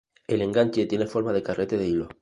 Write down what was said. El enganche tiene forma de carrete de hilo.